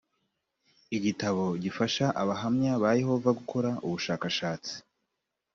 igitabo gifasha abahamya ba yehova gukora ubushakashatsi